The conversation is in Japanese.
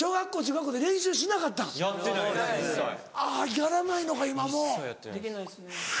やらないのか今もう。